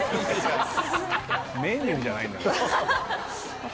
メニューじゃないんだから。